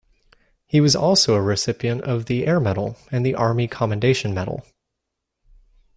He was also a recipient of the Air Medal and the Army Commendation Medal.